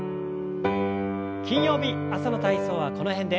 金曜日朝の体操はこの辺で。